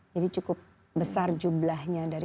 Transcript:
jadi cukup besar jumlahnya dari seratus